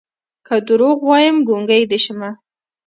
که دروغ وايم ګونګې دې شمه